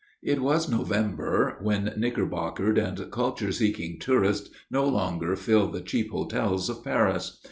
It was November, when knickerbockered and culture seeking tourists no longer fill the cheap hotels of Paris.